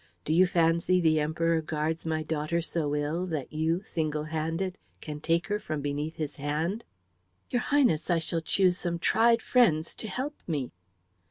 Do you fancy the Emperor guards my daughter so ill that you, single handed, can take her from beneath his hand?" "Your Highness, I shall choose some tried friends to help me."